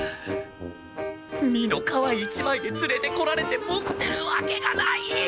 身の皮一枚で連れて来られて持ってるわけがない！